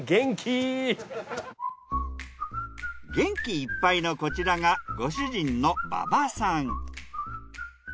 元気いっぱいのこちらがご主人の馬場さん。